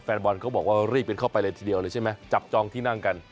แฟนบอลเขาบอกว่ารีบกันเข้าไปเลยทีเดียวเลยใช่ไหมจับจองที่นั่งกัน